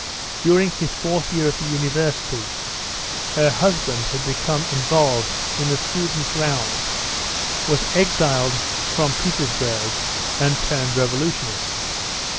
During his fourth year at the university her husband had become involved in the students' rows, was exiled from Petersburg, and turned revolutionist.